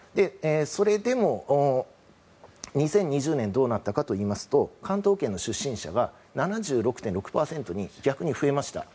それでも２０２０年どうなったかといいますと関東圏の出身者が７６．６％に逆に増えました。